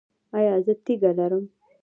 ایا زه تیږه لرم؟